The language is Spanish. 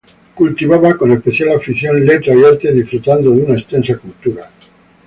Cultivaba con especial afición letras y artes, disfrutando de una extensa cultura.